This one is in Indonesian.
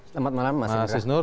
selamat malam mas isnur